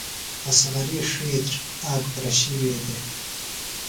اصغری ڇھیتر آک پرشی وے دےۡ ۔